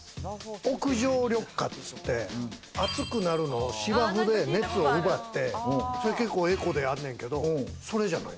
屋上緑化って言って暑くなるのを芝生で熱を奪って、それ結構エコであんねんけれど、それじゃない？